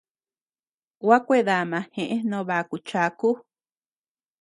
Gua kuedama jeʼe no baku chaku.